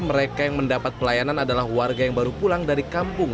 mereka yang mendapat pelayanan adalah warga yang baru pulang dari kampung